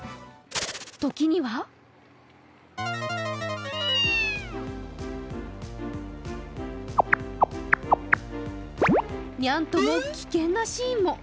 時にはニャンとも危険なシーンも。